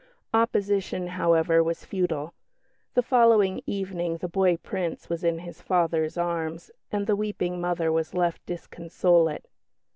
Opposition, however, was futile; the following evening the boy Prince was in his father's arms, and the weeping mother was left disconsolate.